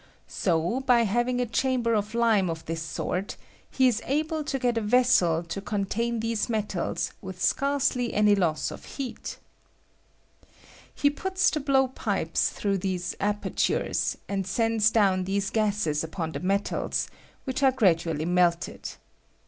So, by having a chamber of Hme of this sort, he is able to get a vessel to contain these metals with scarcely any loss of heat. He puts the blowpipes through these apertures, and sends down these gases upon the metals. DEVILLE9 PLATINUM FURNACE. 1 whicb are gradually melted.